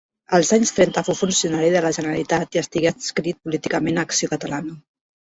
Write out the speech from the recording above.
Els anys trenta fou funcionari de la Generalitat i estigué adscrit políticament a Acció Catalana.